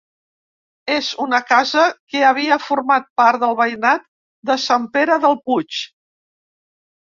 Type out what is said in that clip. És una casa que havia format part del veïnat de Sant Pere del puig.